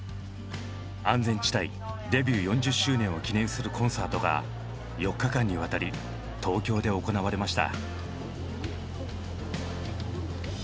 安全地帯デビュー４０周年を記念するコンサートが４日間にわたり東京で行われました。